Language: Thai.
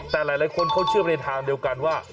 แต่หลายคนเขาเชื่อไปทางเดียวกันว่า